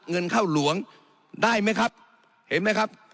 เงินเข้าหลวงได้ไหมครับเห็นไหมครับ